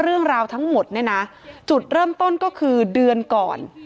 เรื่องราวทั้งหมดเนี่ยนะจุดเริ่มต้นก็คือเดือนก่อน